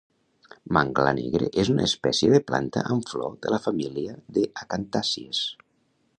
Manglar negre és una espècie de planta amb flor de la família de acantàcies